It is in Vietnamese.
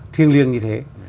thiêng liêng như thế